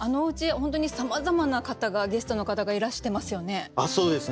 本当にさまざまな方がゲストの方がいらしてますよね。